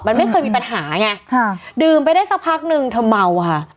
มันไม่เคยมีปัญหาไงค่ะดื่มไปได้สักพักนึงเธอเมาค่ะ